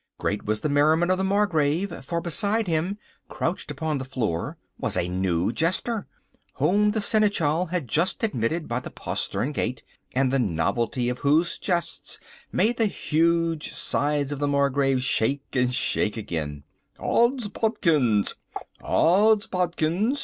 Great was the merriment of the Margrave, for beside him, crouched upon the floor, was a new jester, whom the seneschal had just admitted by the postern gate, and the novelty of whose jests made the huge sides of the Margrave shake and shake again. "Odds Bodikins!"